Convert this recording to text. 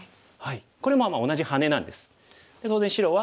これも同じハネなんです。